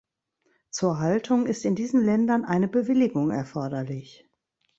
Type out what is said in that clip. Zur Haltung ist in diesen Ländern eine Bewilligung erforderlich.